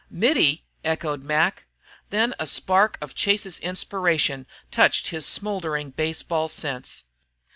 "Mittie?" echoed Mac. Then a spark of Chase's inspiration touched his smouldering baseball sense.